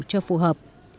cho phù hợp